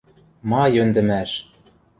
— Ма йӧндӹмӓш...